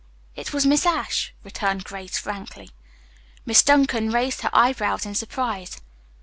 "It was Miss Ashe," returned Grace frankly. Miss Duncan raised her eyebrows in surprise.